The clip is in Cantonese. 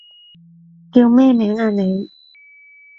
叫咩名啊你？